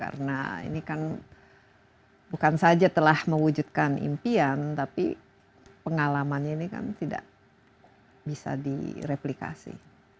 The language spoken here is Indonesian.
karena ini kan bukan saja telah mewujudkan impian tapi pengalaman ini kan tidak bisa direplikasi